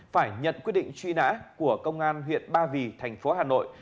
phải nhận quyết định truy nã của công an huyện ba vì thành phố hà nội